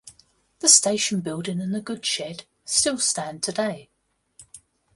The station building and the goods shed still stand today.